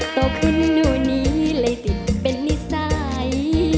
ต้องขึ้นนู่นนี้เลยติดเป็นนิสัย